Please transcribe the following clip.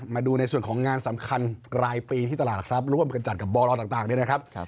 มาดูในส่วนของงานสำคัญรายปีที่ตลาดหลักทรัพย์ร่วมกันจัดกับบรต่างเนี่ยนะครับ